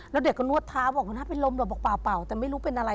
แล้วเด็กก็นวดเท้าบอกหัวหน้าเป็นลมหรอกบอกเปล่าแต่ไม่รู้เป็นอะไร